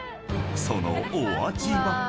［そのお味は？］